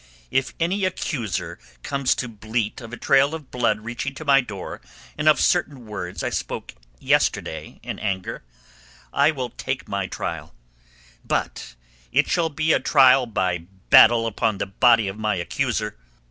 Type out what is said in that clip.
If any accuser comes to bleat of a trail of blood reaching to my door, and of certain words I spoke yesterday in anger, I will take my trial—but it shall be trial by battle upon the body of my accuser.